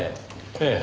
ええ。